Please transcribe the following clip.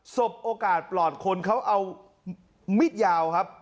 สบโอกาสปลอดคนเขาเอามีดยาวครับ